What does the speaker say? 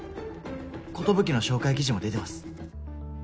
コトブキの紹介記事も出てます。